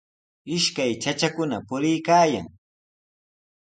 Ishkay chachakuna puriykaayan.